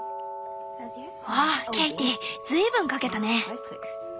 わあケイティ随分描けたね。